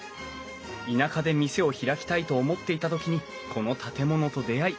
田舎で店を開きたいと思っていた時にこの建物と出会い